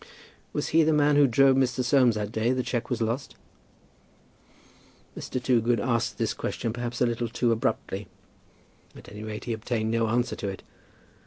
"Was he the man who drove Mr. Soames that day the cheque was lost?" Mr. Toogood asked this question perhaps a little too abruptly. At any rate he obtained no answer to it.